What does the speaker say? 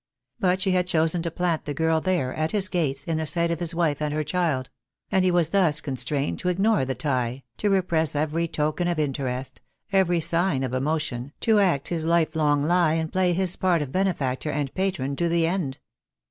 But she had chosen to plant the girl there, at his gates, in the sight of his wife and her child; and he was thus constrained to ignore the tie, to repress every token of interest, every sign of emotion, to act his life long lie, and play his part of benefactor and patron to the end.